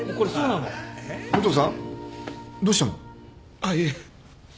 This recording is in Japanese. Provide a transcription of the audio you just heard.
あっいえ。